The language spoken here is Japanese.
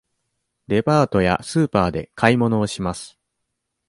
デパートやスーパーで買い物をします。